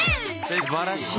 素晴らしい。